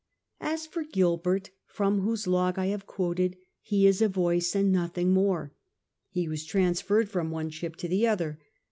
As for Gilbci't, from whose log I have quoted, he is a voice and nothing more. He was transferred from one ship to the other.